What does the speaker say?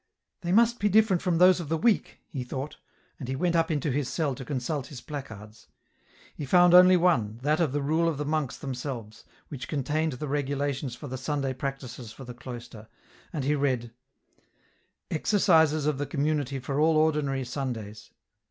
"They must be different from those of the week," he thought; and he went up into his cell to consult his placards. He found only one, that of the rule of the monks them selves, which contained the regulations for the Sunday practices for the cloister ; and he read : Exercises of the Community for all ordinary Sundays.